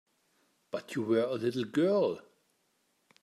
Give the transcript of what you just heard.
But you were a little girl.